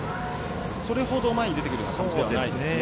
それほど前に出てくるような感じではないですね。